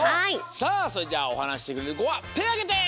さあそれじゃあおはなししてくれるこはてあげて？